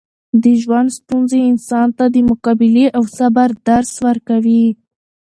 د ژوند ستونزې انسان ته د مقابلې او صبر درس ورکوي.